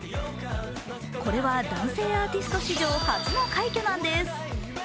これは男性アーティスト史上初の快挙なんです。